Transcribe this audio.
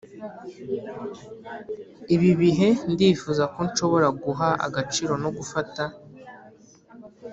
ibi bihe ndifuza ko nshobora guha agaciro no gufata.